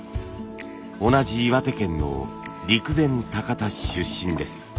同じ岩手県の陸前高田市出身です。